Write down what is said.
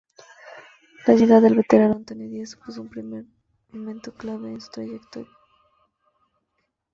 La llegada del veterano Antonio Díaz supuso un primer momento clave en su trayectoria.